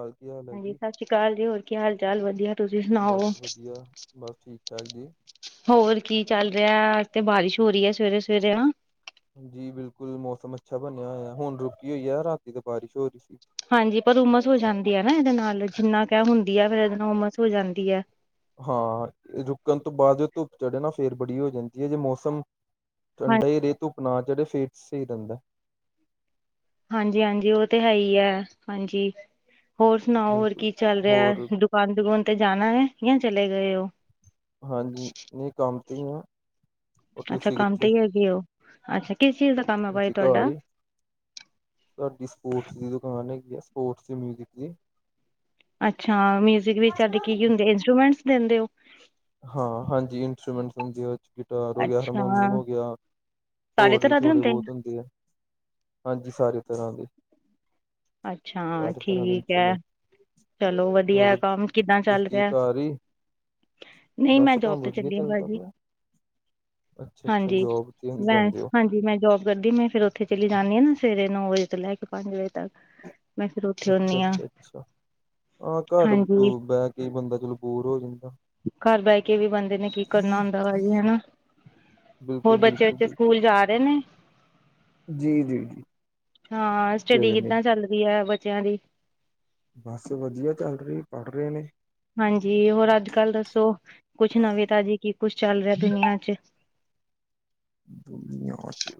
ਹੋਰ ਕੀ ਹਾਲ ਹੈ ਹਾਂਜੀ ਜੀ? ਸਤਿ ਸ਼੍ਰੀ ਅਕਾਲ ਜੀ ਹੋਰ ਕੀ ਹਾਲ ਚਾਲ ਵਧੀਆ ਤੁਸੀਂ ਬਸ ਸੁਣਾਓ? ਵਧੀਆ, [unintelligible] ਹੋਰ ਕੀ ਚੱਲ ਰਿਹਾ ਅਜ ਤੇ ਬਾਰਿਸ਼ ਹੋ ਰਹੀ ਹੈ ਸਵੇਰੇ-ਸਵੇਰੇ। ਜੀ ਬਿਲਕੁਲ ਮੌਸਮ ਅੱਛਾ ਬਣਿਆ ਹੋਇਆ ਹੁਣ ਰੁਕੀ ਹੋਈ ਹੈ। ਰਾਤੀ ਤੇ ਬਾਰਿਸ਼ ਹੋ ਰਹੀ ਸੀ। ਹਾਂਜੀ ਪਰ ਉਮਸ ਹੋ ਜਾਂਦੀ ਹੈ ਨਾ ਇਹਦੇ ਨਾਲ ਜਿੰਨਾ ਕ ਹੁੰਦੀ ਹੈ ਫਿਰ ਇਹਦੇ ਨਾਲ ਉਮਸ ਹੋ ਜਾਂਦੀ ਹੈ। ਹਾਂ ਰੁਕਣ ਤੋ ਬਾਦ ਜੋ ਧੁੱਪ ਚੜੇ ਨਾ ਫੇਰ ਬੜੀ ਹੋ ਜਾਂਦੀ ਹੈ ਜੇ ਮੌਸਮ ਹਾਂ ਠੰਡਾ ਹੀ ਰੇ ਧੁੱਪ ਨਾ ਚੜੇ ਫਿਰ ਸਹੀ ਰਹਿੰਦਾ। ਹਾਂਜੀ-ਹਾਂਜੀ ਉਹ ਤੇ ਹੈ ਹੀ ਹੈ ਹਾਂਜੀ ਹੋਰ ਸੁਣਾਓ ਹੋਰ ਬਿਲਕੁਲ ਕੀ ਚੱਲ ਰਿਹਾ? ਹੋਰ ਦੁਕਾਨ ਦਕੋਨ ਤੇ ਜਾਣਾ ਹੈ ਯਾ ਚਲੇ ਗਏ ਹੋ। ਹਾਂਜੀ ਨੀ ਕੰਮ ਤੇ ਹੀ ਆ। ਔਰ ਅੱਛਾ ਤੁਸੀਂ ਕੰਮ ਤੇ ਕਿੱਥੇ? ਹੀ ਹੈਗੇ ਓ ਅੱਛਾ ਕਿਸ ਚੀਜ਼ ਦਾ ਕੰਮ ਹੈ ਬਾਈ ਜੀ ਘਰ ਤੁਹਾਡਾ ਈ। ਤੁਹਾਡੀ ਸਪੋਰਟਸ ਦੀ ਦੁਕਾਨ ਹੈਗੀ ਆ ਸਪੋਰਟਸ ਤੇ ਮਿਊਜਿਕ ਦੀ। ਅੱਛਾ ਮਿਊਜਿਕ ਵਿੱਚ ਤੁਹਾਡੇ ਕੀ-ਕੀ ਹੁੰਦੇ ਇੰਸਟਰੂਮੈਂਟਸ ਦਿੰਦੇ ਹੋ? ਹਾਂ ਹਾਂਜੀ ਇੰਸਟਰੂਮੈਂਟਸ ਹੁੰਦੇ ਹੈ। ਗਿਟਾਰ ਹੋ ਗਿਆ, ਅੱਛਾ ਹਰਮੋਨੀਅਮ ਹੋ ਗਿਆ ਸਾਰੇ ਹੋਰ ਵੀ ਤਰ੍ਹਾਂ ਦੇ ਥੋੜੇ ਬਹੁਤ ਹੁੰਦੇ ਆ। ਹਾਂਜੀ ਸਾਰੇ ਤਰ੍ਹਾਂ ਦੇ। ਅੱਛਾ ਸਾਰੇ ਤਰ੍ਹਾਂ ਦੇ ਠੀਕ ਹੈ। ਇੰਸਟਰੂਮੈਂਟ ਚਲੋ ਵਧੀਆ ਹੋਰ ਕੰਮ ਕਿਦਾਂ ਚੱਲ ਤੁਸੀਂ ਰਿਹਾ? ਘਰ ਹੀ ਨੀ ਮੈਂ ਬਸ ਜੋਬ ਕੰਮ ਤੇ ਵਧੀਆ ਚੱਲੀ ਹਾਂ ਚੱਲਦਾ ਭਾਜੀ। ਪਿਆ ਅੱਛਾ ਅੱਛਾ ਹਾਂਜੀ ਜੋਬ ਤੇ ਮੈਂ ਜਾਂਦੇ ਹੋ ਹਾਂਜੀ ਮੈਂ ਜੋਬ ਗੱਡੀ ਮੈਂ ਫੇਰ ਉੱਥੇ ਚਲੀ ਜਾਂਦੀ ਹਾਂ ਨਾ ਸਵੇਰੇ ਨੌ ਵਜੇ ਤੋਂ ਲੈ ਕੇ ਪੰਜ ਵਜੇ ਤੱਕ। ਮੈਂ ਫਿਰ ਉੱਥੇ ਹੁੰਦੀ ਹਾਂ ਅੱਛਾ-ਅੱਛਾ, ਅੱਛਾ ਹਾ ਘਰ ਹਾਂਜੀ ਬਹਿ ਕੇ ਬੰਦਾ ਚਲੋ ਬੋਰ ਹੋ ਜਾਂਦਾ। ਘਰ ਬਹਿ ਕੇ ਵੀ ਬੰਦੇ ਨੇ ਕੀ ਕਰਨਾ ਹੁੰਦਾ ਭਾਜੀ ਹਨਾ। ਹੋਰ ਬਿਲਕੁਲ ਬਿਲਕੁਲ ਬੱਚੇ-ਬੱਚੇ ਸਕੂਲ ਜਾ ਰਹੇ ਨੇ? ਜੀ-ਜੀ, ਜੀ। ਹਾਂ ਸਟੱਡੀ ਗਏ ਨੇ ਕਿੱਦਾਂ ਚੱਲਦੀ ਹੈ ਬੱਚਿਆਂ ਦੀ? ਬਸ ਵਧੀਆ ਚੱਲ ਰਹੀ ਪੜ੍ਹ ਰਹੇ ਨੇ। ਹਾਂਜੀ ਹੋਰ ਅੱਜ ਕੱਲ੍ਹ ਦੱਸੋ ਕੁਛ ਨਵੀ ਤਾਜੀ ਕੀ ਕੁੱਛ ਚੱਲ ਰਿਹਾ ਦੁਨੀਆ ਚ? ਦੁਨੀਆਂ ਚ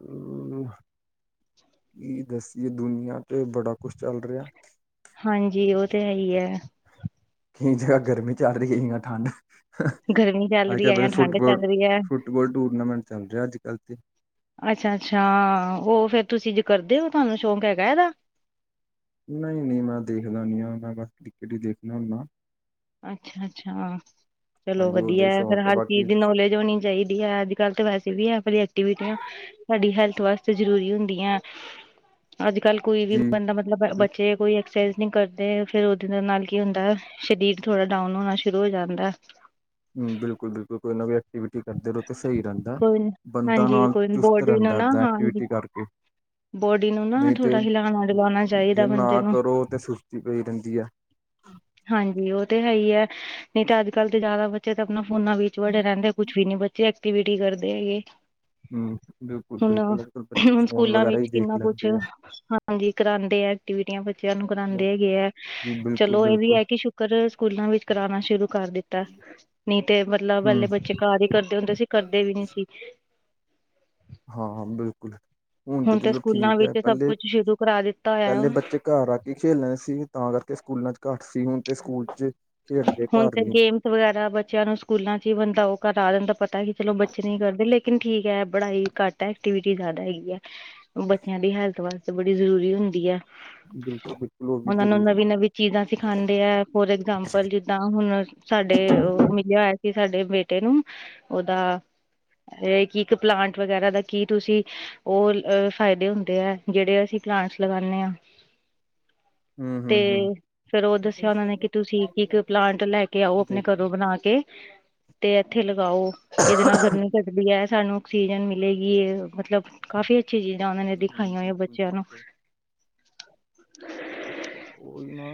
ਕੀ ਦੱਸੀਏ ਦੁਨੀਆ ਚ ਬੜਾ ਕੁਛ ਚੱਲ ਰਿਹਾ। ਹਾਂਜੀ ਉਹ ਤਾਂ ਹੈ ਹੀ ਹੈ। ਕਈ ਜਗ੍ਹਾ ਗਰਮੀ ਚੱਲ ਰਹੀ ਏ ਯਾ ਠੰਡ। ਗਰਮੀ ਚੱਲ ਅੱਜ ਰਹੀ ਕੱਲ੍ਹ ਹੈ ਪਤਾ ਜਾਂ ਠੰਡ ਚੱਲ ਰਹੀ ਹੈ ਫੁੱਟਬੋਲ-ਫੁੱਟਬਾਲ ਟੂਰਨਾਮੈਂਟ ਚੱਲ ਰਿਹਾ ਅੱਜ ਕੱਲ ਤੇ। ਅੱਛਾ-ਅੱਛਾ ਉਹ ਫੇਰ ਤੁਸੀਂ ਜੇ ਕਰਦੇ ਹੋ ਤੁਹਾਨੂੰ ਸ਼ੌਂਕ ਹੈਗਾ ਇਹਦਾ? ਨਹੀ-ਨਹੀ ਮੈਂ ਦੇਖਦਾ ਨੀ ਹਾ ਮੈਂ ਬਸ ਕ੍ਰਿਕਟ ਹੀ ਦੇਖਣਾ ਹੁੰਦਾ। ਅੱਛਾ-ਅੱਛਾ ਚਲੋ ਹਾਂਜੀ ਉਹਦਾ ਹੀ ਵਧੀਆ ਫੇਰ ਸ਼ੌਕ ਹੈ ਹਰ ਬਾਕੀ ਚੀਜ਼ ਦੀ ਨੌਲੇਜ ਹੋਣੀ ਚਾਹੀਦੀ ਹੈ ਅੱਜ ਕੱਲ ਤੇ ਵੈਸੇ ਵੀ [unintelligible] ਐਕਟੀਵਿਟੀਆਂ ਸਾਡੀ ਹੈਲਥ ਵਾਸਤੇ ਜਰੂਰੀ ਹੁੰਦੀ ਅੱਜ ਕੱਲ ਕੋਈ ਵੀ ਜੀ ਬੰਦਾ ਮਲ ਤਲਬ ਬਿਲ- ਬੱਚੇ ਕੋਈ ਐਕਸਰਸਾਈਜ਼ ਨੀ ਕਰਦੇ ਫੇਿਰ ਉਹਦੇ ਨਾਲ ਕੀ ਹੁੰਦਾ ਸਰੀਰ ਥੋੜਾ ਡਾਊਨ ਹੋਣਾ ਸ਼ੁਰੂ ਹੋ ਜਾਂਦਾ। ਹੁ ਬਿਲਕੁਲ-ਬਿਲਕੁਲ ਕੋਈ ਨਾ ਐਕਟੀਵਿਟੀ ਕਰਦੇ ਰਹੋ ਤੇ ਸਹੀ ਰਹਿੰਦਾ ਕੋਈ ਨੀ- ਬੰਦਾ ਹਾਂਜੀ ਨਾਲ ਕੋਈ ਚੁਸਤ ਬੋਡੀ ਨੂੰ ਰਹਿੰਦਾ ਨਾ ਇਦਾ ਹਾਂਜੀ ਐਕਟੀਵਿਟੀ ਕਰਕੇ। ਬੋਡੀ ਨੂੰ ਨਾ ਨਹੀਂ ਤੇ ਥੋੜ੍ਹਾ ਹਿਲਾਣਾ ਡੁਲਾਉਣਾ ਜੇ ਚਾਹੀਦਾ ਬੰਦੇ ਨਾ ਨੂੰ ਕਰੋ ਤਾਂ ਸੁਸਤੀ ਪਈ ਰਹਿੰਦੀ ਹੈ। ਹਾਂਜੀ ਉਹ ਤੇ ਹੈ ਹੀ ਹੈ ਨਹੀ ਤਾ ਅੱਜ ਕੱਲ੍ਹ ਤੇ ਜਾਦਾ ਬੱਚੇ ਤਾ ਆਪਣਾ ਫੋਨਾ ਵਿੱਚ ਵੜੇ ਰਹਿੰਦੇ ਕੁਛ ਵੀ ਨੀ ਬੱਚੇ ਐਕਟੀਵਿਟੀ ਕਰਦੇ ਹੈਗੇ। ਹਮ ਬਿਲਕੁਲ ਬਿਲਕੁਲ ਅੱਜ ਕੱਲ ਬੱਚੇ ਹੁਣ-ਹੁਣ ਫੋਨ ਸਕੂਲਾ ਵਗੈਰਾ ਹੀ ਵਿੱਚ ਦੇਖ ਕਿੰਨਾ ਕੁਛ ਲੈਂਦੇ ਆ ਹਾਂਜੀ ਕਰਾਉਂਦੇ ਆ ਐਕਟੀਵਿਟੀਆ ਬੱਚਿਆਂ ਨੂੰ ਕਰਾਉਂਦੇ ਹੈਗੇ ਹੈ ਜੀ ਬਿਲਕੁਲ ਚਲੋ ਇਹ ਵੀ ਬਿਲਕੁਲ ਹੈ ਕਿ ਕਰ ਸਕੂਲਾਂ ਵਿੱਚ ਕਰਾਣਾ ਸ਼ੁਰੂ ਕਰ ਦਿੱਤਾ ਨੀ ਤੇ ਮਤਲਬ ਹਲੇ ਹਮ ਬੱਚੇ ਘਾਰ ਹੀ ਕਰਦੇ ਹੁੰਦੇ ਸੀ ਕਰਦੇ ਵੀ ਨੀ ਸੀ। ਹਾਂ ਬਿਲਕੁਲ। ਹੁਣ ਤੇ ਚਲੋ ਸਕੂਲਾਂ ਠੀਕ ਐ, ਵਿੱਚ ਸਭ ਪੈਲੇ, ਕੁਛ ਸ਼ੁਰੂ ਕਰਾ ਦਿੱਤਾ ਹੋਇਆ ਹੈ। ਪੈਲੇ ਬੱਚੇ ਘਰ ਆ ਖੇਲਣਾ ਸੀ, ਤਾਂ ਕਰਕੇ ਸਕੂਲਾਂ ਚ ਘੱਟ ਸੀ, ਹੁਣ ਤੇ ਸਕੂਲ ਚ ਖੇਡਦੇ ਹੁਣ ਘਰ ਤੇ ਨੀ ਗੇਮ ਵਗੈਰਾ ਬੱਚਿਆਂ ਨੂੰ ਸਕੂਲਾਂ ਚ ਈ ਬੰਦਾ ਉਹ ਕਰਾ ਦੇਂਦਾ ਆ, ਪਤਾ ਕਿ ਚਲੋ ਬੱਚੇ ਨਈ ਕਰਦੇ, ਲੇਕਿਨ ਠੀਕ ਹੈ ਪੜ੍ਹਾਈ ਘੱਟ ਐਕਟੀਵਿਟੀ ਜ਼ਿਆਦਾ ਹੈਗੀ ਐ, ਬੱਚਿਆਂ ਦੀ ਹੈਲਥ ਵਾਸਤੇ ਬੜੀ ਜ਼ਰੂਰੀ ਹੁੰਦੀ ਐ। ਬਿਲਕੁਲ ਬਿਲਕੁਲ ਉਹ ਵੀ ਔਨ੍ਹਾਂ ਨੂੰ ਜ਼ਰੂਰੀ ਹੈ ਨਵੀਂ-ਨਵੀਂ ਚੀਜ਼ਾਂ ਸਿਖਾਂਦੇ ਐ, ਫੋਰ ਐਗਜਾਮ ਪਲ ਜਿੱਦਾਂ ਹੁਣ, ਸਾਡੇ ਉਹ ਮਿਲਿਆ ਹੋਇਆ ਸੀ ਸਾਡੇ ਬੇਟੇ ਨੂੰ, ਔਦਾਂ ਏਹ ਕਿ ਇੱਕ ਪਲਾਂਟ ਵਗੈਰਾ ਦਾ ਕੀ ਤੁਸੀਂ ਔਲ ਅ ਫਾਇਦੇ ਹੁੰਦੇ ਐ, ਜੇਹੜੇ ਅਸੀਂ ਪਲਾਂਟਸ ਲਗਾਣੇ ਆ। ਹਮ ਤੇ ਹਮ ਹਮ ਫੇਰ ਔਹ ਦੱਸਿਆ ਉਹਨਾਂ ਨੇ, ਕਿ ਤੁਸੀਂ ਕੀ ਤੇ ਔਹ ਪਲਾਂਟ ਲੈ ਕੇ ਆਓ ਆਪਣੇ ਦੇਖ ਘਰੋਂ ਹਮ ਬਣਾ ਕੇ। ਤੇ ਐਥੇ ਲਗਾਓ, ਕਿਅਦੇ ਨਾਲ ਗਰਮੀ ਘਟਦੀ ਐ? ਸਾਨੂੰ ਔਕਸੀਜਨ ਮਿਲੇਗੀ ਏ ਮਤਲਬ। ਕਾਫ਼ੀ ਅੱਛੀ ਚੀਜ਼ਾਂ ਔਨ੍ਹਾਂ ਨੇ ਹਮ ਦਿਖਾਈਆਂ ਹੋਇਆਂ ਬਿਲਕੁਲ ਬੱਚਿਆਂ ਨੂੰ। ਬਿਲਕੁਲ ਉਹੀ ਨਾ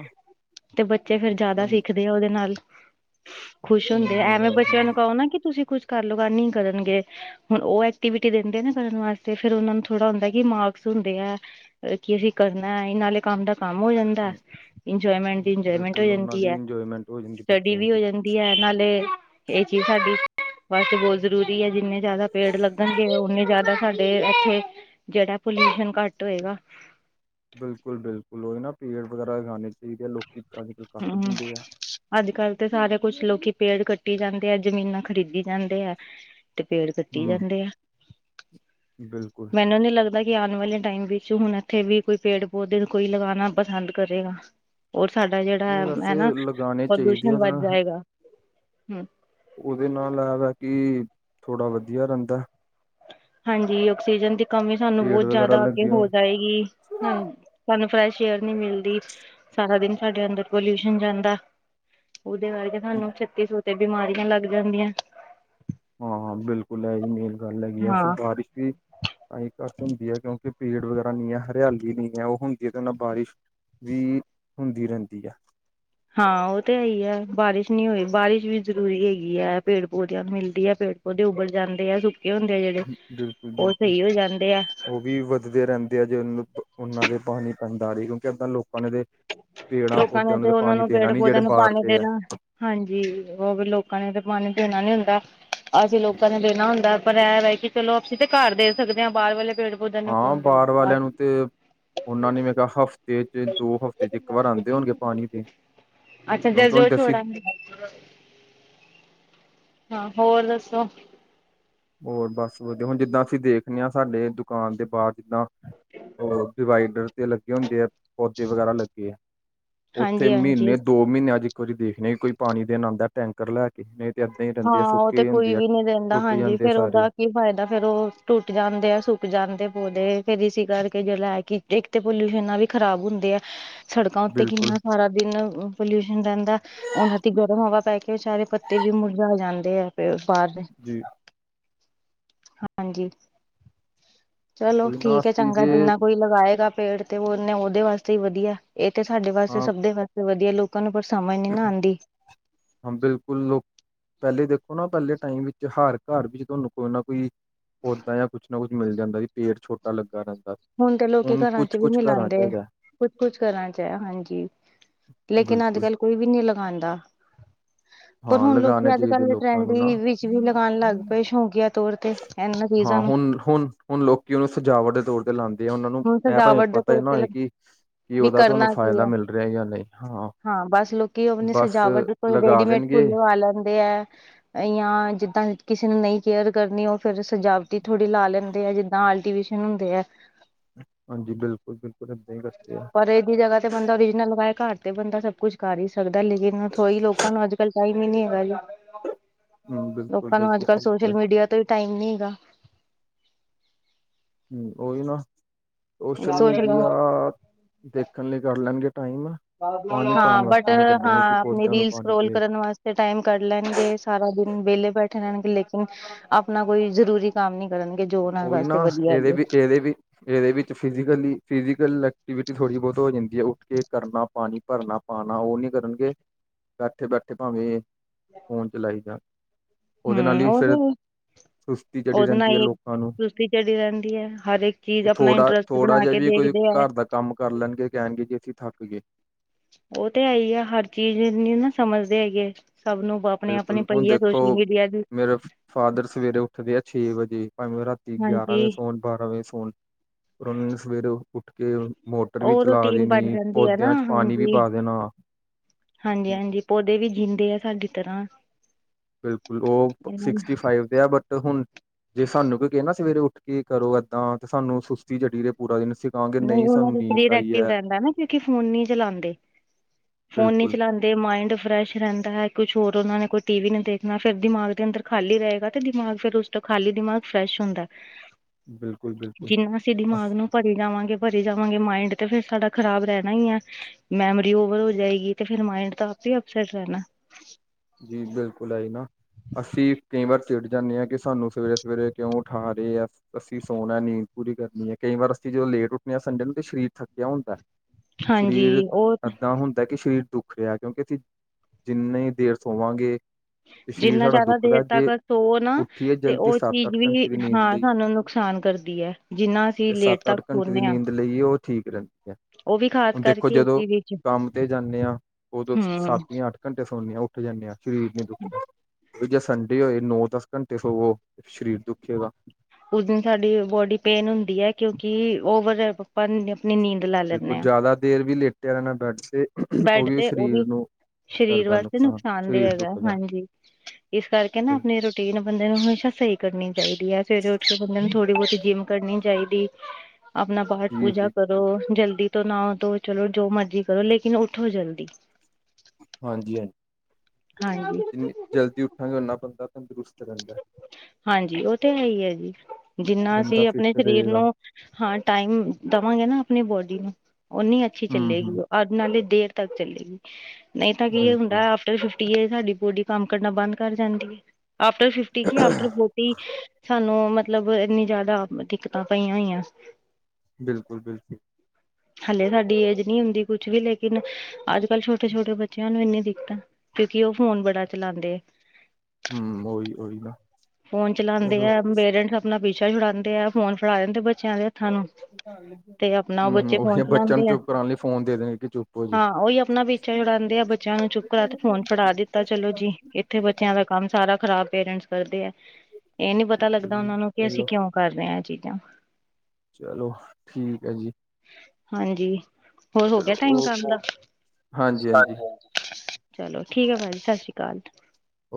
ਤੇ ਬੱਚੇ ਫੇਰ ਏਦਾਂ ਜਾਦਾ ਹੀ ਸਿੱਖ ਦੇ ਉਹਦੇ ਨਾਲ, ਖੁਸ਼ ਹਮ ਹੁੰਦੇ ਐ, ਹਮ ਐਵੇਂ ਹਮ ਬੱਚਿਆਂ ਨੂੰ ਹਮ ਕੋਉ ਨਾ ਕਿ ਤੁਸੀਂ ਕੁੁਛ ਘਰ ਲੋ ਬਾਰ ਨੀ ਕਰਨਗੇ। ਹੁਣ ਉਹ ਐਕਟੀਵਿਟੀ ਦਿੰਦੇ ਨੇ ਕਰਨ ਵਾਸਤੇ, ਫੇਰ ਔਨ੍ਹਾਂ ਨੂੰ ਥੋੜਾ ਹੁੰਦਾ ਏ ਕਿ ਮਾਰਕਸ ਹੁੰਦੇ ਐ। ਕੀ ਅਸੀਂ ਕਰਨਾ ਏ, ਨਾਲੇ ਕੰਮ ਦਾ ਕੰਮ ਹੋ ਜਾਂਦਾ ਐ, ਇੰਜੋਏਮੈਂਟ ਹਮ ਦੀ ਇੰਜੋਏਮੈਂਟ ਹੋ ਬਿਲਕੁਲ ਉਹਨਾਂ ਜਾਂਦੀ ਦੀ ਐ। ਇੰਜੋਏਮੈਂਟ ਹੋ ਜਾਂਦੀ ਫਿਰ ਡੀ ਵੀ ਹੋ ਜਾਂਦੀ ਐ, ਨਾਲੇ ਇਹ ਚੀਜ਼ ਸਾਡੀ ਵਾਸਤੇ ਬੌਤ ਜ਼ਰੂਰੀ ਹੈ। ਜਿੰਨੇ ਜਾਅਦਾ ਪੇੜ ਲੱਗਣਗੇ, ਉਅਣੇ ਜਾਆਦਾ ਸਾਡੇ ਐਥੇ ਜੇਅੜਾ ਪੋਲਿਊਸ਼ਨ ਘੱਟ ਹੋਏਗਾ। ਬਿਲਕੁਲ-ਬਿਲਕੁਲ ਔਈ ਨਾ, ਪੇੜ ਵਗੈਰਾ ਲਗਾਣੇ ਚਾਹੀਦੇ ਆ, ਲੋਕੀ ਅੱਜ ਕੱਲ ਕੱਟ ਦਿੰਦੇ ਆ। ਆਜ ਕਲ੍ਹ ਤੇ ਸਾਰੇ ਕੁੱਛ ਲੋਕੀ ਪੇੜ ਕੱਟੀ ਜਾਂਦੇ ਐ, ਜ਼ਮੀਨਾਂ ਖਰੀਦੀ ਜਾਂਦੇ ਐ। ਤੇ ਪੇੜ ਕੱਟੀ ਹਮ ਜਾਂਦੇ ਆ, ਬਿਲਕੁਲ ਮੈਨੂੰ ਨੀ ਲੱਗ ਦਾ ਕਿ ਆਣ ਵਾਲੇ ਟਾਈਮ ਵਿੱਚ, ਹੁਣ ਐਥੇ ਵੀ ਕੋਈ ਪੇੜ ਪੌਦੇੇ, ਕੋਈ ਲਗਾਣਾ ਪਸੰਦ ਕਰੇਗਾ। ਹੋਰ ਸਾਡਾ ਜੇਅੜਾ ਵੈਸੇ ਏ ਨਾ, ਲਗਾਉਣੇ ਚਾਹੀਦੇ ਆ ਪ੍ਰਦੂਸ਼ਣ ਉਹਦੇ ਵੱਧ ਜਾਏਗਾ। ਹੂੰ। ਉਅਦੇ ਨਾਲ ਏਹ ਵਾ ਕਿ ਥੋੜਾ ਵਦੀਆ ਰੇਂਦਾ ਹੈ। ਹਾਂਜੀ, ਔਕਸੀਜਨ ਦੀ ਕਮੀ ਸਾਨੂੰ ਪੇੜ ਬੌਤ ਵਗੈਰਾ ਜ਼ਿਆਦਾ ਅੱਗੇ ਲੱਗੇ ਹੋ ਹੋਣ। ਜਾਏਗੀ। ਹਾਂ, ਸਾਨੂੰ ਫਰੈਸ਼ ਏਅਰ ਨੀ ਮਿਲਦੀ। ਸਾਰਾ ਦਿਨ ਸਾਡੇ ਅੰਦਰ ਪੋਲਿਊਸ਼ਨ ਜਾਂਦਾ। ਉਅਦੇ ਕਰਕੇ ਸਾਨੂੰ ਛੱਤੀ ਸੋ ਤੇ ਬਿਮਾਰੀਆਂ ਲੱਗ ਜਾਂਦੀਆਂ। ਹਾਂ-ਹਾਂ ਬਿਲਕੁਲ ਏ ਈ ਮੇਨ ਗੱਲ ਹੈਗੀ ਆ, ਫਿਰ ਹਾਂ ਬਾਰਿਸ਼ ਵੀ ਤਾਂ ਹੀ ਘੱਟ ਹੁੰਦੀ ਹੈ ਕਿਉਂਕਿ ਭੀੜ ਵਗੈਰਾ ਨਈ ਐ, ਹਰਿਆਲੀ ਨੀ ਐ, ਉਹ ਹੁੰਦੀ ਹੈ ਤੇ ਨਾਲ ਬਾਰਿਸ਼। ਵੀ, ਹੁੰਦੀ ਰੇਂਦੀ ਐ। ਹਾਂ ਔਹ ਤੇ ਹੈ ਈ ਐ, ਬਾਰਿਸ਼ ਨਈ ਹੋਈ, ਬਾਰਿਸ਼ ਵੀ ਜ਼ਰੂਰੀ ਹੈਗੀ ਐ, ਪੇੜ ਪੌਦਿਆਂ ਨੂੰ ਮਿਲਦੀ ਹੈ ਪੇੜ ਉਹਦੇ ਉਬਰ ਜਾਂਦੇ ਆ, ਸੁੱਕੇ ਹੁੰਦੇ ਐ ਜੇਅੜੇ, ਬਿਲਕੁਲ ਉਹ ਬਿਲਕੁਲ ਸਈ ਹੋ ਜਾਂਦੇ ਐ। ਉਹ ਵੀ ਵੱਧਦੇ ਰਹਿੰਦੇ ਐ, ਜੇ ਉਹਨਾਂ ਪ ਔਨ੍ਹਾਂ ਦੇ ਪਾਣੀ ਪੈਂਦਾ ਰਏ, ਕਿਉਂਕਿ ਇੱਦਾਂ ਲੋ ਉਅਨਾਂ ਦੇ, ਪੇੜਾਂ ਲੋਕਾਂ ਨੇ ਪੌਦਿਆਂ ਨੂੰ ਤੇ ਉਹਨਾਂ ਪਾਣੀ ਦੇਣਾ ਪੇੜ ਨੀ ਜੇਅੜੇ ਪੌਦਿਆਂ ਨੂੰ ਬਾਰ ਪਾਣੀ ਦੇ ਐ। ਦੇਣਾ ਹਾਂਜੀ, ਉਹ ਫੇਰ ਲੋਕਾਂ ਨੇ ਤੇ ਪਾਣੀ ਦੇਣਾ ਨੀ ਹੁੰਦਾ। ਅਸੀਂ ਲੋਕਾਂ ਨੇ ਦੇਣਾ ਹੁੰਦਾ ਏ, ਪਰ ਏਹ ਵੇ ਕਿ ਚਲੋ ਅਸੀਂ ਤੇ ਕਾਰ ਦੇ ਸਕਦੇ ਆ, ਬਾਹਰ ਵਾਲੇ ਪੇੜ ਪੌਦਿਆਂ ਨੂੰ ਹਾਂ, ਕੌਣ ਦੇ ਬਾਰ ਵਾਲੇਆਂ ਨੂੰ ਤੇ ਉਹਨਾਂ ਨੇ ਮੈਂ ਕਿਆ ਹਫ਼ਤੇ ਚ, ਦੋ ਹਫ਼ਤੇ ਚ ਇੱਕ ਵਾਰ ਆਂਦੇ ਹੋਣਗੇ ਪਾਣੀ ਪੀਣ। ਅੱਛਾ, ਜਦ ਜੋ ਛੋੜਾਂਗੇ। ਹਾਂ, ਹੋਰ ਦੱਸੋ? ਔਰ ਬਸ ਵਧੀਆ, ਹੁਣ ਜਿੱਦਾਂ ਅਸੀਂ ਦੇਖਨੇ ਆ, ਸਾਡੇ ਦੁਕਾਨ ਦੇ ਬਾਰ ਜਿੱਦਾਂ ਉਹ ਡਿਵਾਈਡਰ ਤੇ ਲੱਗੇ ਹੁੰਦੇ ਐ, ਪੌਦੇ ਵਗੈਰਾ ਲੱਗੇ ਏ। ਔਥੇ ਹਾਂਜੀ ਮੀਨੇ, ਹਾਂਜੀ ਦੋ ਮੀਨੇਆਂ ਚ ਇੱਕ ਵਾਰੀ ਦੇਖਣੇ ਆ, ਕੋਈ ਪਾਣੀ ਦੇਣ ਆਂਦਾ ਏ ਟੈਂਕ। ਕਰ ਲੈ ਕੇ ਨਈ ਤੇ ਏਦਾਂ ਈ ਰਹਿੰਦੇ ਆ, ਹਾਂ ਉਹ ਸੁੱਕੇ ਤੇ ਈ ਕੋਈ ਹੁੰਦੇ ਆ। ਵੀ ਦਿੰਦਾ ਟੁੱਟ ਹਾਂਜੀ, ਜਾਂਦੇ ਫੇਰ ਸਾਰੇ ਉਹਦਾ ਕੀ ਫਾਇਦਾ ਫੇਰ, ਉਹ ਟੁੱਟ ਜਾਂਦੇ ਆ, ਸੁੱਕ ਜਾਂਦੇ ਪੌਦੇ ਫੇਰ ਇਸੀ ਕਰਕੇ ਜਿਹੜਾ ਹੈ ਕਿ ਇੱਕ ਤੇ ਪੋਲਿਊਸ਼ਨ‌ ਨਾਲ ਵੀ ਖਰਾਬ ਹੁੰਦੇ ਆ, ਸੜਕਾਂ ਉੱਤੇ ਬਿਲਕੁਲ ਕਿੰਨਾ ਸਾਰਾ ਦਿਨ ਪੋਲਿਊਸ਼ਨ ਰਹਿੰਦਾ, ਉਹਨਾ ਦੀ ਗਰਮ ਹਵਾ ਪੈ ਕੇ ਵਿਚਾਰੇ ਪੱਤੇ ਵੀ ਮੁਰ ਝਾ ਜਾਂਦੇ ਆ, ਬਾਹਰ ਦੇ। [inaudible] ਹਾਂਜੀ, ਚਲੋ ਕੋਈ ਨਾ ਠੀਕ ਹੈ ਅਸੀਂ ਚੰਗਾ ਜੇ ਜਿੰਨਾ ਕੋਈ ਲਗਾਏਗਾ ਪੇੜ ਤੇ ਉਨ੍ਹਾਂ, ਉਹਦੇ ਵਾਸਤੇ ਹੀ ਵਧੀਆ, ਇਹ ਤੇ ਸਾਡੇ ਵਾਸਤੇ ਹਾਂ ਸਭ ਦੇ ਵਾਸਤੇ ਵਧੀਆ ਲੋਕਾਂ ਨੂੰ। ਸਮਝ ਨੀ, ਨਾ ਆਂਦੀ। ਹਾਂ, ਬਿਲਕੁਲ ਲੋਕ ਪਹਿਲੇ ਦੇਖੋ ਨਾ ਪਹਿਲੇ ਟਾਈਮ ਵਿੱਚ ਹਰ ਘਰ ਵਿੱਚ ਤੁਹਾਨੂੰ ਕੋਈ ਨਾ ਕੋਈ। ਪੌਦਾ ਜਾਂ ਕੁਛ ਨਾ ਕੁਛ ਮਿਲ ਜਾਂਦਾ ਜੀ, ਪੇੜ ਛੋਟਾ ਲੱਗਾ ਰਹਿੰਦਾ। ਹੁਣ ਤੇ ਲੋਕੀ ਘਰਾਂ ਚ ਕੁਛ ਵੀ ਕੁਛ ਘਰਾਂ ਮਿਲਾਉਂਦੇ, ਚ ਹੈਗਾ ਕੁਛ- ਕੁਛ ਘਰਾਂ ਚ ਹੈ ਹਾਂਜੀ। ਲੇਕਿਨ, ਅੱਜ ਬਿਲਕੁਲ -ਕੱਲ ਕੋਈ ਵੀ ਨਹੀਂ ਲਗਾਉਂਦਾ। ਪਰ ਹਾਂ ਹੁਣ ਲਗਾਣੇ ਲੋਕੀ ਅੱਜ ਚਾਹੀਦੇ -ਕੱਲ੍ਹ, ਲੋਕਾਂ ਨੂੰ ਨਾ। ਟਰੈਂਡੀ ਵਿੱਚ ਵੀ ਲਗਾਉਣ ਲੱਗ ਪਏ ਸ਼ੌਂਕੀਆ। ਹਾਂ [unintelligible] ਹੁਣ। [unintelligible] ਹੁਣ ਲੋਕੀ, ਉਹਨੂੰ ਸਜਾਵਟ ਦੇ ਤੌਰ ਤੇ ਲਾਉਂਦੇ ਆ, ਉਹਨਾਂ ਨੂੰ ਹੁਣ ਮੈਂ ਭਾਵੇਂ ਸਜਾਵਟ ਦੇ ਪਤਾ ਹੀ ਤੌਰ ਨਾ ਤੇ ਹੋਏ ਕਿ ਕਿ ਵੀ ਉਹਦਾ, ਤੁਹਾਨੂੰ ਕਰਨਾ ਕੀ ਫਾਇਦਾ ਹੈ ਮਿਲ ਰਿਹਾ ਜਾਂ ਨਹੀਂ, ਹਾਂ। ਹਾਂ, ਬਸ ਲੋਕੀ ਆਪਣੀ ਬਸ ਸਜਾਵਟ ਲਈ ਕੋਈ ਲਗਾ ਰੇਡੀਮੇਡ ਦੇਣਗੇ ਫੁੱਲ ਲਵਾ ਲੈਂਦੇ ਹੈ। ਜਾਂ ਜਿੱਦਾਂ ਕਿਸੇ ਨੇ ਨਹੀਂ ਕੇਅਰ ਕਰਨੀ, ਉਹ ਫਿਰ ਸਜਾਵਟੀ ਥੋੜ੍ਹੀ ਲਾ ਲੈਂਦੇ ਆ, ਜਿੱਦਾਂ ਆਰਟੀਫਿਸ਼ਲ। ਹੁੰਦੇ ਆ। ਹਾਂਜੀ, ਬਿਲਕੁਲ -ਬਿਲਕੁਲ ਇੱਦਾਂ ਹੀ ਕਰਦੇ ਆ ਪਰ ਇਹਦੀ ਜਗ੍ਹਾ ਤੇ ਬੰਦਾ ਓਰੀਜਨਲ ਲਗਾਏ, ਘਰ ਤੇ ਬੰਦਾ ਸਭ ਕੁਛ ਕਰ ਹੀ ਸਕਦਾ, ਲੇਕਿਨ [unintelligible] ਲੋਕਾਂ ਨੂੰ ਅੱਜ ਕੱਲ ਟਾਈਮ ਹੀ ਨਹੀਂ ਹੈਗਾ ਜੀ। ਹੂੰ ਬਿਲਕੁਲ, ਲੋਕਾਂ ਨੂੰ ਅੱਜ ਬਿਲਕੁਲ -ਕੱਲ੍ਹ ਠੀਕ ਸੋਸ਼ਲ ਹੈ ਮੀਡੀਆ ਤੋਂ ਵੀ ਟਾਈਮ ਨੀ ਹੈਗਾ। ਹਮ ਉਹੀ ਨਾ, ਸੋਸ਼ਲ ਮੀਡੀਆ ਸੋਸ਼ਲ ਦੇਖਣ ਲਈ, ਕੱਢ ਲੈਣਗੇ ਟਾਈਮ। ਪਾਣੀ ਹਾਂ, ਪਾਣ ਬਟ ਵਾਸਤੇ ਨੀ ਕੱਢਣਗੇ ਕਿ ਹਾਂ, ਆਪਣੇ ਪੌਦਿਆਂ ਨੂੰ ਰੀਲ ਪਾਣੀ ਸਕਰੋਲ ਦੇ ਕਰਨ ਵਾਸਤੇ। ਤੇ ਟਾਈਮ ਕੱਢ ਲੈਣਗੇ, ਸਾਰਾ ਦਿਨ ਵਿਹਲੇ ਬੈਠੇ ਰਹਿਣਗੇ, ਲੇਕਿਨ ਆਪਣਾ ਕੋਈ ਜ਼ਰੂਰੀ ਕੰਮ ਨਹੀਂ ਕਰਨਗੇ, ਜੋ ਉਹਨਾਂ ਉਹੀ ਨਾ ਵਾਸਤੇ ਵਧੀਆ ਇਹਦੇ ਹੈਗੇ। ਵੀ ਇਹਦੇ ਵੀ ਇਹਦੇ ਵਿੱਚ, ਫਿਜ਼ਕਲੀ, ਫਿਜੀਕਲ ਐਕਟੀਵਿਟੀ ਥੋੜ੍ਹੀ ਬਹੁਤ ਹੋ ਜਾਂਦੀ ਹੈ, ਉੱਠ ਕੇ ਕਰਨਾ ਪਾਣੀ ਭਰਨਾ। ਪਾਣਾ ਉਹ ਨੀ ਕਰਨਗੇ, ਬੈਠੇ- ਬੈਠੇ ਭਾਵੇਂ ਫੋਨ ਚਲਾਈ ਜਾਣ। ਉਹਦੇ ਨਾਲ ਹਮ ਹੀ, ਉਹ ਫਿਰ ਸੁਸਤੀ ਚੜੀ ਰਹਿੰਦੀ ਹੈ ਲੋਕ ਸੁਸਤੀ ਚੜੀ ਰਹਿੰਦੀ ਹੈ, ਹਰ ਇੱਕ ਚੀਜ਼ ਤੇ ਆਪਣਾ ਥੋੜਾ ਇੰਟਰਸਟ ਥੋੜਾ ਬਣਾ ਜਿਹਾ ਕੇ ਵੀ ਕੋਈ ਦੇਖਦੇ ਹੈ। ਘਰ ਦਾ ਕੰਮ ਕਰ ਲੈਣਗੇ, ਕਹਿਣਗੇ ਜੀ ਅਸੀਂ ਥੱਕ ਗਏ। ਉਹ ਤੇ ਹੈ ਹੀ ਆ, ਹਰ ਚੀਜ਼ ਨੀ ਨਾ ਸਮਝਦੇ ਹੈਗੇ, ਸਭ ਨੂੰ ਆਪਣੀ- ਆਪਣੀ ਬਿਲਕੁਲ ਹੁਣ ਪਈ ਆ ਦੇਖੋ ਸੋਸ਼ਲ ਮੀਡੀਆ। ਦੀ ਮੇਰੇ ਫਾਦਰ ਸਵੇਰੇ ਉੱਠਦੇ ਆ ਛੇ ਵਜੇ, ਭਾਵੇਂ ਉਹ ਰਾਤੀ ਗਿਆਰਾਂ ਹਾਂਜੀ ਵਜੇ ਸੌਣ, ਬਾਰਾਂ ਵਜੇ ਸੌਣ। [inaudible] ਫੇਰ ਉਹਨਾਂ ਨੇ, ਸਵੇਰੇ ਉਠ ਕੇ ਮੋਟਰ ਵੀ ਉਹ ਚਲਾ ਰੂਟੀਨ ਬਣ ਦੇਣੀ ਜਾਂਦੀ ਹੈ ਨਾ ਪੌਦਿਆਂ 'ਚ ਪਾਣੀ ਵੀ ਹਾਂਜੀ ਪਾ ਦੇਣਾ ਹਾਂਜੀ- ਹਾਂਜੀ, ਪੌਦੇ ਵੀ ਜੀਉਂਦੇ ਆ ਸਾਡੀ ਤਰ੍ਹਾਂ ਬਿਲਕੁਲ, ਉਹ ਇਹਨਾਂ ਸਿਕਸਟੀ ਫਾਈਵ ਦੇ ਆ ਬਟ ਹੁਣ ਜੇ ਸਾਨੂੰ ਕੋਈ ਕਹੇ ਨਾ, ਸਵੇਰੇ ਉਠ ਕੇ ਕਰੋ ਏਦਾਂ ਤੇ ਸਾਨੂੰ ਸੁਸਤੀ ਚੜੀ ਰਹੇ ਪੂਰਾ ਦਿਨ ਕਹਾਂਗੇ ਨਹੀ, ਨਹੀਂ ਉਹਨਾ ਸਾਨੂੰ ਦੇ ਨੀਂਦ ਸਰੀਰ ਆਈ ਐਕਟਿਵ ਹੈ ਰਹਿੰਦਾ ਨਾ, ਕਿਉਕ ਫੋਨ ਨੀ ਚਲਾਉਂਦੇ, ਫੋਨ ਨਹੀ ਬਿਲਕੁਲ ਚਲਾਉਂਦੇ ਤੇ ਮਾਇੰਡ ਫਰੈਸ਼ ਰਹਿੰਦਾ ਹੈ, ਕੁਛ ਹੋਰ ਉਹਨਾ ਨੇ ਕੋਈ ਟੀਵੀ ਨਹੀਂ ਦੇਖਣਾ, ਫਿਰ ਦਿਮਾਗ ਦੇ ਅੰਦਰ ਖਾਲੀ ਰਹੇਗਾ ਤੇ ਦਿਮਾਗ ਫਿਰ ਉਸ ਖਾਲੀ ਦਿਮਾਗ ਫਰੈਸ਼ ਹੁੰਦਾ, ਬਿਲਕੁਲ ਬਿਲਕੁਲ ਜਿਨਾਂ ਅਸੀ ਅਸ- ਦਿਮਾਗ ਨੂੰ ਭਰੀ ਜਾਵਾਂਗੇ। ਭਰੀ ਜਾਵਾਂਗੇ, ਮਾਇੰਡ ਤੇ ਫੇਰ ਸਾਡਾ ਖਰਾਬ ਰਹਿਣਾ ਹੀ ਹੈ। ਮੈਮਰੀ ਓਵਰ ਹੋ ਜਾਏਗੀ, ਤੇ ਫਿਰ ਮਾਇੰਡ ਤਾਂ ਆਪੇ ਹੀ ਅਪਸੈਟ ਰਹਿਣਾ ਜੀ, ਬਿਲਕੁਲ ਆਹੀ ਨਾ- ਅਸੀ ਕਈ ਵਾਰ ਚਿੜ ਜਾਦੇ ਹਾਂ, ਕਿ ਸਾਨੂੰ ਸਵੇਰੇ- ਸਵੇਰੇ ਕਿਉਂ ਉਠਾ ਰਹੇ ਆ ਅਸੀ ਸੌਣਾ ਨੀਂਦ ਪੂਰੀ ਕਰਨੀ ਐ, ਕਈ ਵਾਰ ਅਸੀ ਜਦੋ ਲੇਟ ਉਠਦੇ ਹਾਂ ਸੰਡੇ ਨੂੰ ਤੇ ਸਰੀਰ ਥੱਕਿਆ ਹੁੰਦਾ ਹਾਂਜੀ ਸਰੀਰ ਉਹ ਏਦਾਂ ਹੁੰਦਾ ਕਿ ਸਰੀਰ ਦੁੱਖ ਰਿਹਾ, ਕਿਉਂਕਿ ਕਿ ਅਸੀ ਜਿੰਨੀ ਦੇਰ ਸੋਵਾਂਗੇ- ਤੇ ਸਰੀਰ ਜਿੰਨਾ ਸਾਡਾ ਜ਼ਿਆਦਾ ਦੁੱਖ ਦਾ ਦੇਰ ਤੱਕ ਜੇ ਸੋ ਨਾ ਉਠਏ ਤੇ ਜਲਦੀ ਉਹ ਸੱਤ, ਚੀਜ਼ ਅੱਠ ਵੀ ਘੰਟੇ ਦੀ ਨੀਦ ਹਾਂ ਲਈ ਸਾਨੂੰ ਨੁਕਸਾਨ ਕਰਦੀ ਹੈ ਜਿੰਨਾ ਅਸੀਂ ਜੇ ਲੇਟ ਸੱਤ, ਅੱਠ ਤੱਕ ਘੰਟੇ ਦੀ ਸੋਨੇ ਹਾਂ। ਨੀਂਦ ਲਈਏ ਉਹ ਠੀਕ ਰਹਿਦੀ ਹੈ। ਉਹ ਵੀ ਖ਼ਾਸ ਹੁਣ ਦੇਖੋ ਕਰਕੇ ਜਦੋ ਏਸੀ ਵਿੱਚ ਕੰਮ ਤੇ ਜਾਨੇ ਹਾਂ ਉਦੋ ਹਮ ਸੱਤ ਜਾਂ ਅੱਠ ਘੰਟੇ ਸੌਨੇ ਆ ਉਠ ਜਾਨੇ ਹਾਂ ਸਰੀਰ ਨੀ ਦੁੱਖ ਜਾਂ ਸੰਡੇ ਹੋਏ ਨੌ ਦਸ ਘੰਟੇ ਹੋਵੋ ਸਰੀਰ ਦੁਖੇਗਾ। ਉਸ ਦਿਨ ਸਾਡੀ ਬੋਡੀ ਪੇਨ ਹੁਦੀ ਹੈ ਕਿਉਂਕਿ ਓਵਰ [unintelligible] ਨਹੀ ਨੀਦ ਲ- ਬਿਲਕੁਲ ਜਾਦਾ ਦੇਰ ਵੀ ਲੇਟਿਆ ਰਹਿਣਾ ਬੈਡ ਤੇ ਬੈਡ ਤੇ ਉਹ ਵੀ ਸਰੀਰ ਕਰਦਾ ਵਾਸਤੇ ਨੁਕਸਾਨ ਨੁਕਸਾਨਦੇ ਸਰੀਰ ਹੈਗਾ ਦੁਖਦਾ ਹਾਂਜੀ। ਇਸ ਕਰਕੇ ਨਾ ਆਪਣੀ ਰੂਟੀਨ ਬੰਦੇ ਨੂੰ ਹਮੇਸ਼ਾ ਸਹੀ ਕਰਨੀ ਚਾਹੀਦੀ ਹੈ ਸਵੇਰੇ ਉਠ ਕੇ ਬੰਦੇ ਨੂੰ ਥੋੜ੍ਹੀ ਬਹੁਤੀ ਜਿੰਮ ਕਰਨੀ ਚਾਹੀਦੀ ਆਪਣਾ ਪਾਠ ਜੀ ਪੂਜਾ ਜੀ ਕਰੋ ਜਲਦੀ ਤੋ ਨਾਹੋ ਤੋਂ ਚਲੋ ਜੋ ਮਰਜ਼ੀ ਕਰੋ ਲੇ ਕਿਨ ਉਠੋ ਜਲਦੀ। ਹਾਂਜੀ ਹਾਂਜ ਹਾਂਜੀ ਨੀ ਜਲਦੀ ਉਠਾਂਗੇ ਉਨਾ ਬੰਦਾ ਤੰਦਰੁਸਤ ਰਹਿੰਦਾ। ਹਾਂਜੀ ਉਹ ਤੇ ਹੈ ਹੀ ਹੈ ਜੀ ਜਿਨਾ ਅਸੀ ਬੰਦਾ ਆਪਣੇ ਫਿੱਟ ਸਰੀਰ ਰਹੇਗਾ ਨੂੰ ਹਾਂ ਟਾਈਮ ਦੇਵਾਂਗੇ ਨਾ ਆਪਣੀ ਬੋਡੀ ਨੂੰ ਓਨੀ ਅਛੀ ਹੂੰ ਚਲੇਗੀ ਹੂੰ ਉਹ। ਨਾਲੇ ਦੇਰ ਤਕ ਚਲੇਗੀ ਨਹੀ ਤਾਂ ਕੀ ਇਹ ਬਿਲਕੁਲ ਹੁੰਦਾ ਫਿਫਟੀ ਏ ਸਾਡੀ ਬੋਡੀ ਕਮ ਕਰਨਾ ਬੰਦ ਕਰ ਜਾਦੀ ਹੈ। ਆਫਟਰ ਫਿਫਟੀ ਕਿ ਆਫਟਰ ਬਿਲਕੁਲ ਫੋਰਟੀ ਸਾਨੂੰ ਮਤਲਬ ਇਨੀ ਜਾਦਾ ਦਿਕਤਾ ਪਈਆ ਹੋਈਆ। ਬਿਲਕੁਲ-ਬਿਲਕੁਲ। ਹਲੇ ਸਾਡੀ ਏਜ ਨਹੀ ਹੁਦੀ ਕੁਛ ਵੀ ਲੇਕਿਨ ਅਜ ਕਲ ਛੋਟੇ ਛੋਟੇ ਬੱਚਿਆਂ ਨੂੰ ਇਨੀ ਦਿਕਤ ਕਿਉਕਿ ਉਹ ਫੋਨ ਬੜਾ ਚਲਾਉਦੇ ਹੈ। ਹਮ ਉਹੀ-ਉਹੀ ਨਾ। ਫੋਨ ਚਲਾਉਦੇ ਆ ਚਲੋ ਪੇਰੈਂਟਸ ਆਪਣਾ ਪੀਛਾ ਛੁਡਾਉਂਦੇ ਆ ਫੋਨ ਫੜਾ ਦਿਦੇ ਬੱਚਿਆਂ ਦੇ ਹੱਥਾਂ ਨੂੰ। ਤੇ ਆਪਣਾ ਉਹ ਹੂੰ ਹੂੰ ਬੱਚੇ ਫੋਨ ਉਹੀ ਬੱਚਿਆਂ ਨੂੰ ਚਲਾਉਦੇ ਆ ਚੁੱਪ ਕਰਾਉਣ ਲਈ ਫੋਨ ਦੇ ਦੇਣਗੇ ਕਿ ਚੁੱਪ ਹੋ ਜੀ। ਹਾਂ ਉਹੀ ਆਪਣਾ ਵਿਚ- ਛਾ ਛੁੜਾਦੇ ਆ ਬੱਚਾ ਛੜਾਉਦੇ ਆ ਬੱਚਿਆਂ ਨੂੰ ਚੁਪ ਕਰਾ ਫੋਨ ਫੜਾ ਦਿਤਾ ਚਲੋ ਜੀ ਉਥੇ ਬੱਚਿਆਂ ਦਾ ਕਮ ਸਾਰਾ ਖਰਾਬ ਪੇਰੈਂਟਸ ਕਰਦੇ ਆ। ਇਹ ਨੀ ਪਤਾ ਲਗਦਾ ਉਹਨਾ ਨੂੰ ਕਿ ਅਸੀ ਚਲੋ ਕਿਉ ਕਰਦੇ ਹਾਂ ਇਹ ਚੀਜਾ। ਚਲੋ ਠੀਕ ਹੈ ਜੀ। ਹਾਂਜੀ ਹੋਰ ਹੋਗ ਚਲੋ ਓ ਟਾਈਮ ਕਮ ਦਾ, ਹਾਂਜੀ ਹਾਂਜੀ ਹਾਂਜੀ-ਹਾਂਜੀ। ਚਲੋ ਠੀਕ ਹੈ ਭਾਅ ਜੀ ਸਸ ਸ੍ਰੀ ਕਾਲ।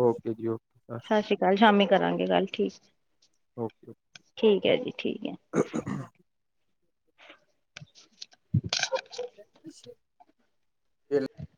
ਓਕੇ ਜੀ ਓ ਸਸ ਸ੍ਰੀ ਕਾਲ ਸ਼ਾਮੀ ਕਰਾਂਗੇ ਗੱਲ ਠੀਕ, ਠੀਕ ਹੈ ਜੀ ਠੀਕ ਹੈ। ਹ [unintelligible]